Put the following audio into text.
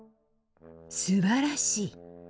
「すばらしい！